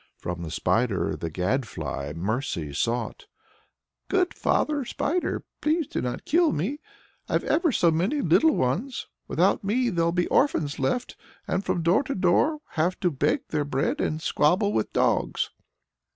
From the Spider the Gadfly mercy sought. "Good father Spider! please not to kill me. I've ever so many little ones. Without me they'll be orphans left, and from door to door have to beg their bread and squabble with dogs."